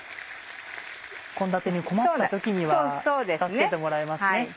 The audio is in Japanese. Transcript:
献立に困った時には助けてもらえますね。